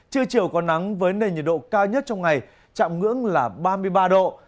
chưa chiều có nắng với nền nhiệt độ cao nhất trong ngày trạng ngưỡng là ba mươi ba độ